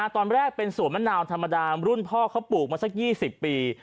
ตอนแรกเป็นสวนมะนาวธรรมดารุ่นพ่อเขาปลูกมาสัก๒๐ปี